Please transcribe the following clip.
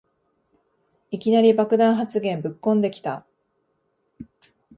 いきなり爆弾発言ぶっこんできた